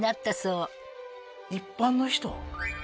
一般の人？